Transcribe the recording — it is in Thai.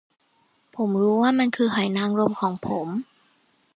ผมรู้ว่ามันคือหอยนางรมของผม